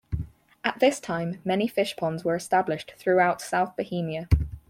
At this time many fish ponds were established throughout South Bohemia.